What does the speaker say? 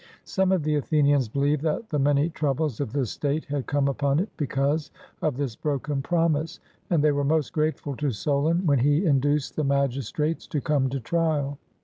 Some of the Athenians believed that the many troubles of the state had come upon it because of this broken promise, and they were most grateful to Solon when he induced the magistrates to come to trial.